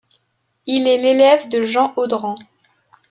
Il est l'élève de Jean Audran.